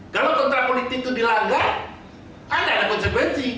kalau kontra politik itu dilanggar anda ada konsekuensi